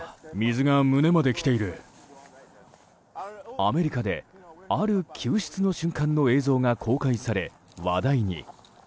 アメリカである救出の瞬間の映像が公開され話題に。